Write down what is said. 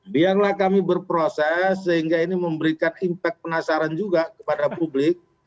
biarlah kami berproses sehingga ini memberikan impact penasaran juga kepada publik